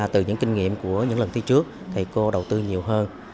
từ những kinh nghiệm của những lần thứ trước thầy cô đầu tư nhiều hơn